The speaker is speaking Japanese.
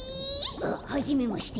ははじめまして。